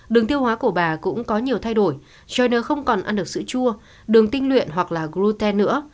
đường tiêu hóa của bà cũng có nhiều thay đổi gener không còn ăn được sữa chua đường tinh luyện hoặc là gruter nữa